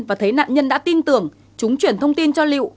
và thấy nạn nhân đã tin tưởng chúng chuyển thông tin cho liễu